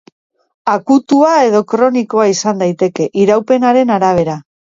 Akutua edo kronikoa izan daiteke, iraupenaren arabera.